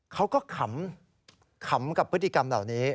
เขาก็ขำขำกับพฤติกรรมเหล่านี้